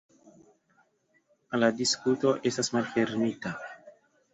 La diskuto estas malfermita.